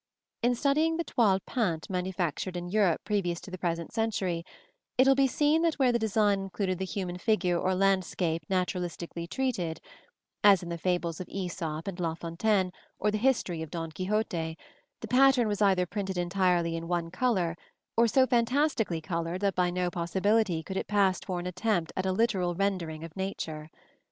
In studying the toiles peintes manufactured in Europe previous to the present century, it will be seen that where the design included the human figure or landscape naturalistically treated (as in the fables of Æsop and La Fontaine, or the history of Don Quixote), the pattern was either printed entirely in one color, or so fantastically colored that by no possibility could it pass for an attempt at a literal rendering of nature.